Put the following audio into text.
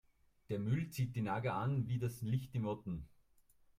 Der Müll zieht die Nager an wie das Licht die Motten.